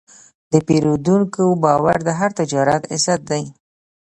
د پیرودونکي باور د هر تجارت عزت دی.